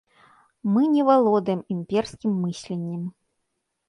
Мы не валодаем імперскім мысленнем.